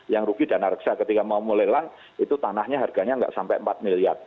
yang rugi dana reksa ketika mau melelang itu tanahnya harganya nggak sampai empat miliar